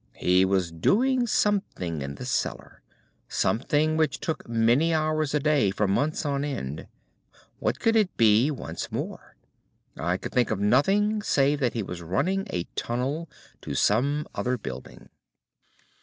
He was doing something in the cellar—something which took many hours a day for months on end. What could it be, once more? I could think of nothing save that he was running a tunnel to some other building.